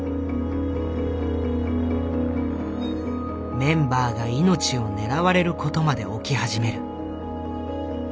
メンバーが命を狙われることまで起き始める。